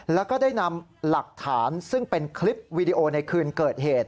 แล้วก็ได้นำหลักฐานซึ่งเป็นคลิปวีดีโอในคืนเกิดเหตุ